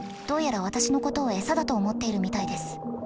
どうやら私のことを餌だと思っているみたいです。